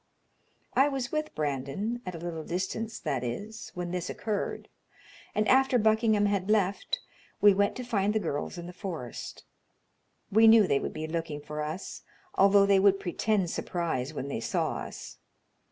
I was with Brandon at a little distance, that is when this occurred, and after Buckingham had left, we went to find the girls in the forest. We knew they would be looking for us, although they would pretend surprise when they saw us.